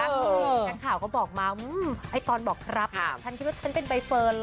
นักข่าวก็บอกมาไอ้ตอนบอกครับฉันคิดว่าฉันเป็นใบเฟิร์นเหรอ